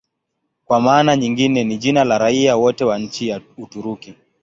Kwa maana nyingine ni jina la raia wote wa nchi ya Uturuki.